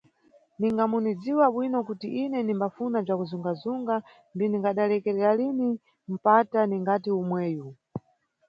Ninga munidziwa bwino kuti ine ndinimbafuna bzakuzunga–zunga ndiningadalekerera lini mpata ningati omweyu.